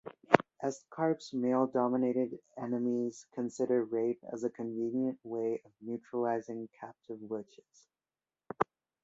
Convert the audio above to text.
Estcarp's male-dominated enemies consider rape as a convenient way of neutralising captive witches.